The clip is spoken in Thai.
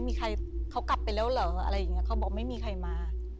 มีใครเขากลับไปแล้วเหรออะไรอย่างเงี้เขาบอกไม่มีใครมา